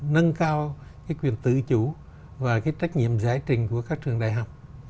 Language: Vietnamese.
nâng cao cái quyền tự chủ và cái trách nhiệm giải trình của các trường đại học